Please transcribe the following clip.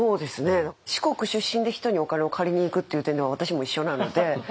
四国出身で人にお金を借りにいくっていう点では私も一緒なので。